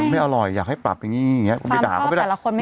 ไม่อร่อยอยากให้ปรับอย่างนี้